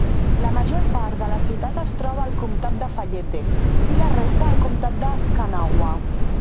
La major part de la ciutat es troba al comtat de Fayette, i la resta al comtat de Kanawha.